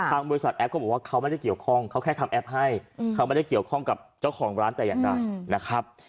บริษัทแอปก็บอกว่าเขาไม่ได้เกี่ยวข้องเขาแค่ทำแอปให้เขาไม่ได้เกี่ยวข้องกับเจ้าของร้านแต่อย่างใดนะครับ